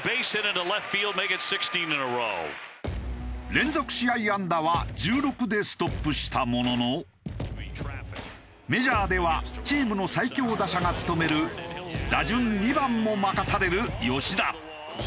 連続試合安打は１６でストップしたもののメジャーではチームの最強打者が務める打順２番も任される吉田。